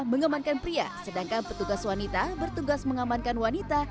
mengemankan pria sedangkan petugas wanita bertugas mengamankan wanita